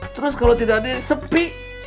terus kalau tidak ada sepi